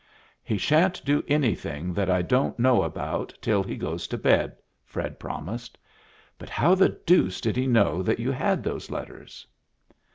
"He sha'n't do anything that I don't know about till he goes to bed," Fred promised. "But how the deuce did he know that you had those letters?"